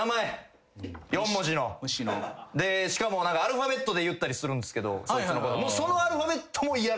しかもアルファベットで言ったりするんですけどそいつのこと。